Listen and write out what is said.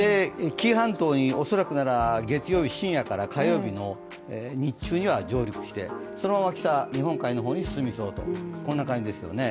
紀伊半島に恐らく月曜日深夜から火曜日の日中には上陸して、そのまま北、日本海の方に進みそうという感じですよね。